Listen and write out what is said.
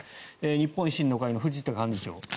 日本維新の会の藤田幹事長。